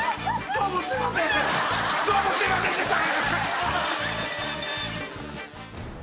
どうもすいませんでした。